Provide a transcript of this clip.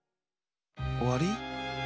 おわり？